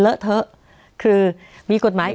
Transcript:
เลอะเถอะคือมีกฎหมาย